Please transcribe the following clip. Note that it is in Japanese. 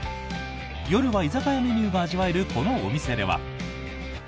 夜は居酒屋メニューが味わえるこのお店では。